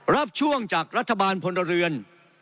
รับช่วงจากรัฐบาลพลเรือน